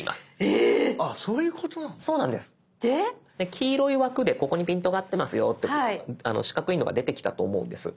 黄色い枠で「ここにピントが合ってますよ」って四角いのが出てきたと思うんです。